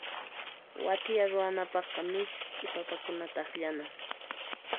Wathiya ruwanapaqqa misk'i papakunata akllana.